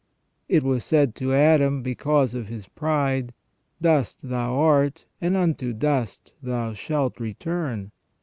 It was said to Adam, because of his pride :" Dust thou art, and unto dust thou shalt return